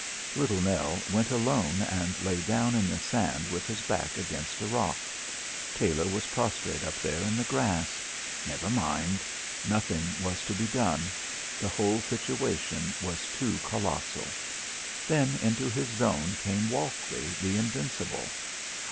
Little Nell went alone and lay down in the sand with his back against a rock. Tailor was prostrate up there in the grass. Never mind. Nothing was to be done. The whole situation was too colossal. Then into his zone came Walkley the invincible.